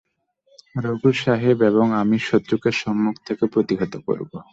রঘু সাহেব এবং আমি শত্রুকে সম্মুখ থেকে প্রতিহত করব।